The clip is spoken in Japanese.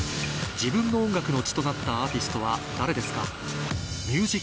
自分の音楽の血となったアーティストは誰ですか？